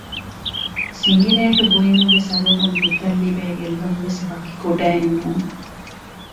ސިނގިރޭޓު ބުއިމުގެ ސަބަބުން ހިތަށް ލިބޭ ގެއްލުންވެސް ވަކި ކުޑައެއް ނޫން